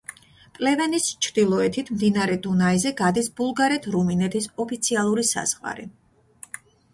პლევენის ჩრდილოეთით მდინარე დუნაიზე გადის ბულგარეთ-რუმინეთის ოფიციალური საზღვარი.